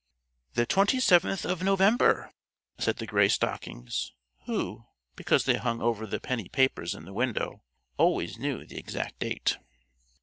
"The twenty seventh of November," said the Gray Stockings, who, because they hung over the penny papers in the window, always knew the exact date.